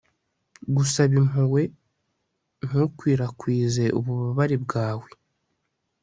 gusaba impuhwe, ntukwirakwize ububabare bwawe